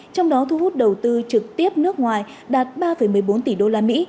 trong đó thu hút đầu tư trực tiếp nước ngoài đạt ba một mươi bốn tỷ đô la mỹ